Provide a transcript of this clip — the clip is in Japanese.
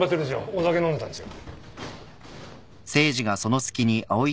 お酒飲んでたんですよ。